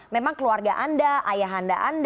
memang keluarga anda ayah anda anda